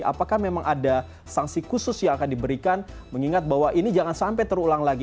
apakah memang ada sanksi khusus yang akan diberikan mengingat bahwa ini jangan sampai terulang lagi